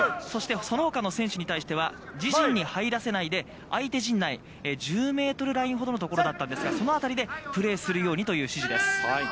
そして、そのほかの選手に対しては自陣に入らせないで相手陣内、１０ｍラインほどのところだったんですが、そのあたりでプレーするようにという指示です。